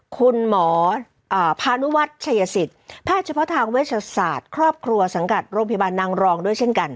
คุณหมอพานุวัฒน์ชัยสิทธิ์แพทย์เฉพาะทางเวชศาสตร์ครอบครัวสังกัดโรงพยาบาลนางรองด้วยเช่นกัน